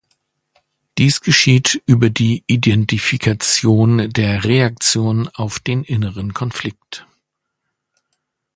Dies geschieht über die Identifikation der Reaktion auf den inneren Konflikt.